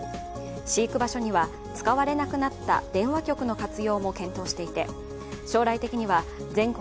飼育場所には使われなくなった電話局の活用も検討していて将来的には全国